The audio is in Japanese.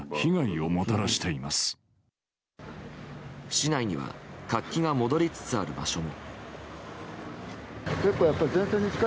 市内には活気が戻りつつある場所も。